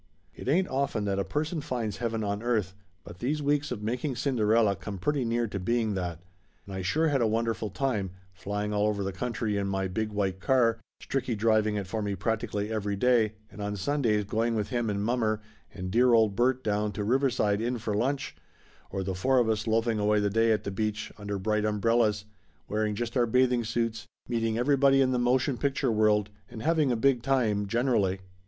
It ain't often that a person finds heaven on earth, but these weeks of making Cinderella come pretty near to being that, and I sure had a wonderful time, flying all over the country in my big white car, Stricky driving it for me practically every day, and on Sun days going with him and mommer and dear old Bert down to Riverside Inn for lunch, or the four of us loafing away the day at the beach under bright um brellas, wearing just our bathing suits, meeting every body in the motion picture world, and having a big time generally.